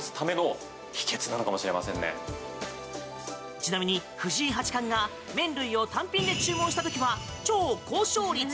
ちなみに、藤井八冠が麺類を単品で注文した時は超高勝率！